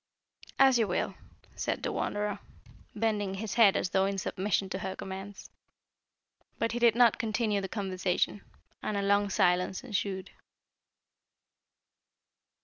"As you will," answered the Wanderer bending his head as though in submission to her commands. But he did not continue the conversation, and a long silence ensued.